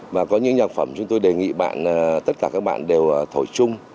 và có những nhạc phẩm chúng tôi đề nghị bạn tất cả các bạn đều thổi chung